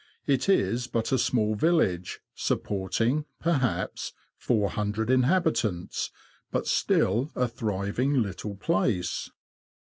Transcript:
It is but a small village, supporting, perhaps, 400 inhabitants, but still a thriving little place.